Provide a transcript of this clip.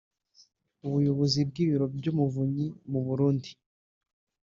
Umuyobozi w’ibiro by’Umuvunyi mu Burundi